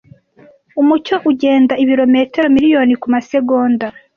Umucyo ugenda ibirometero miliyoni kumasegonda.